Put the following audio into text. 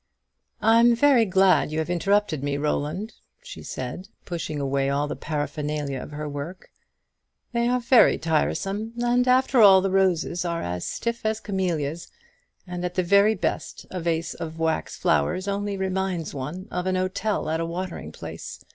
"I'm very glad you have interrupted me, Roland," she said, pushing away all the paraphernalia of her work; "they are very tiresome; and, after all, the roses are as stiff as camellias, and at the very best a vase of wax flowers only reminds one of an hotel at a watering place.